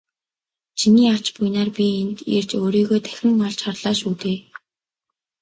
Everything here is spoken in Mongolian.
Чиний ач буянаар би энд ирж өөрийгөө дахин олж харлаа шүү дээ.